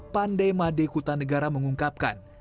pandai made kutanegara mengungkapkan